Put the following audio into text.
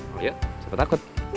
oh iya siapa takut